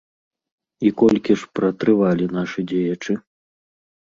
І колькі ж пратрывалі нашы дзеячы?